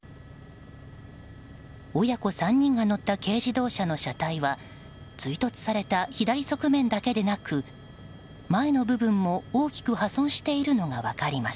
親子３人が乗った軽自動車の車体は追突された左側面だけでなく前の部分も、大きく破損しているのが分かります。